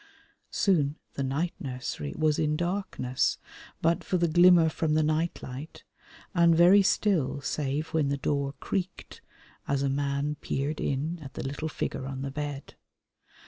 Soon the night nursery was in darkness, but for the glimmer from the night light, and very still save when the door creaked as a man peered in at the little figure on the bed.